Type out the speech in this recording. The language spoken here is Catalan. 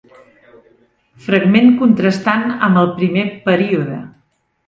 Fragment contrastant amb el primer període.